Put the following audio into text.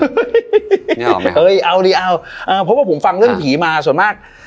เฮ้ยเฮ้ยเอาดิเอาเพราะผมฟังเรื่องผีมาส่วนมาก